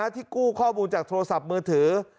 ที่กู้ข้อมูลจากโทรศัพท์มือถือ